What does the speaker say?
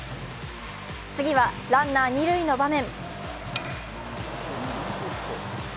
次は、ランナー二塁の場面。